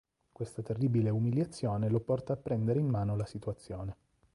Questa terribile umiliazione lo porta a prendere in mano la situazione.